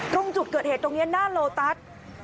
ตรงจุดเกิดเหตุตรงนี้หน้าโลตัส